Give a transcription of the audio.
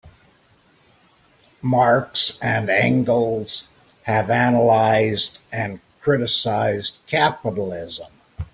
Marx and Engels have analyzed and criticized capitalism.